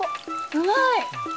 うまい。